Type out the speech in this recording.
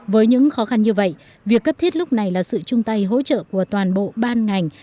với những khó khăn như vậy việc cấp thiết lúc này là sự chung tay hỗ trợ của toàn bộ ban ngành